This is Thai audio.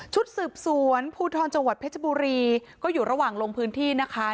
ชุดสืบสวนภูทรจังหวัดเพชรบุรีก็อยู่ระหว่างลงพื้นที่นะคะ